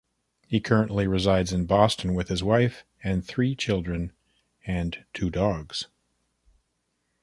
He currently resides in Boston with his wife and three children and two dogs.